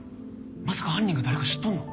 まさか犯人が誰か知っとんの？